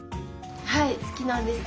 はい好きなんです。